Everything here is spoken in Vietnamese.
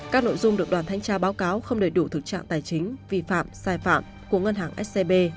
các nội dung được đoàn thanh tra báo cáo không đầy đủ thực trạng tài chính vi phạm sai phạm của ngân hàng scb